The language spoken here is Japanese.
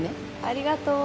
ありがとう。